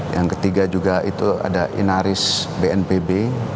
yang ketiga juga itu ada inaris bnpb